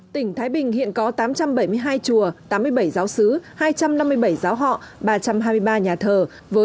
tỉnh thái bình hiện có tám trăm bảy mươi hai chùa tám mươi bảy giáo sứ hai trăm năm mươi bảy giáo họ ba trăm hai mươi ba nhà thờ